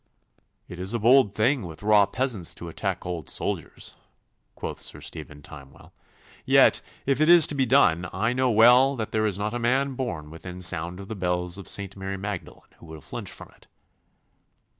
'It is a bold thing with raw peasants to attack old soldiers,' quoth Sir Stephen Timewell. 'Yet if it is to be done, I know well that there is not a man born within sound of the bells of St. Mary Magdalene who will flinch from it.